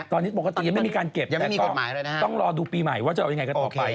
ตอนนี้ปกติยังไม่มีการเก็บแต่ก็ต้องรอดูปีใหม่ว่าจะเอายังไงกันต่อไป